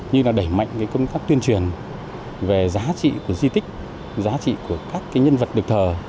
như là đẩy mạnh công tác tuyên truyền về giá trị của di tích giá trị của các nhân vật được thờ